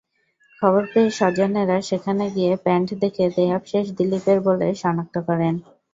খবর পেয়ে স্বজনেরা সেখানে গিয়ে প্যান্ট দেখে দেহাবশেষ দিলীপের বলে শনাক্ত করেন।